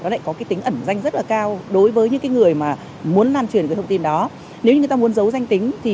đó nếu như người ta muốn giấu danh tính thì